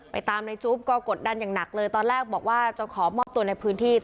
ตามในจุ๊บก็กดดันอย่างหนักเลยตอนแรกบอกว่าจะขอมอบตัวในพื้นที่